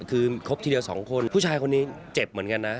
คือครบทีเดียว๒คนผู้ชายคนนี้เจ็บเหมือนกันนะ